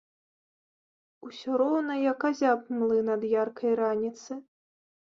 Усё роўна як азяб млын ад яркай раніцы.